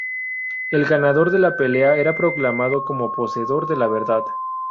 El ganador de la pelea era proclamado como poseedor de la verdad.